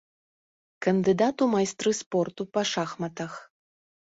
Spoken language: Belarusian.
Кандыдат у майстры спорту па шахматах.